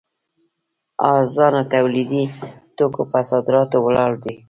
ارزانه تولیدي توکو پر صادراتو ولاړ دی.